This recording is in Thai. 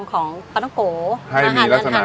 ของปลาต้องโก๋ให้มีลักษณะ